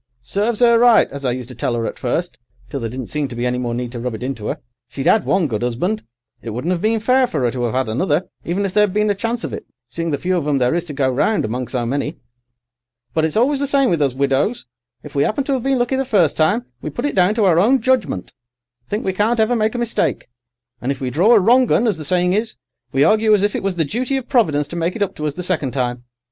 Serves 'er right, as I used to tell 'er at first, till there didn't seem any more need to rub it into 'er. She'd 'ad one good 'usband. It wouldn't 'ave been fair for 'er to 'ave 'ad another, even if there'd been a chance of it, seeing the few of 'em there is to go round among so many. But it's always the same with us widows: if we 'appen to 'ave been lucky the first time, we put it down to our own judgment—think we can't ever make a mistake; and if we draw a wrong 'un, as the saying is, we argue as if it was the duty of Providence to make it up to us the second time.